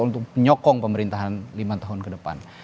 untuk menyokong pemerintahan lima tahun ke depan